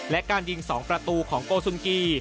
และการยิง๒ประตูของโกสุนกี